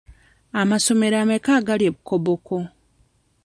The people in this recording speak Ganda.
Amasomero ameka agali e Koboko?